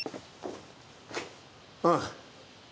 ああ。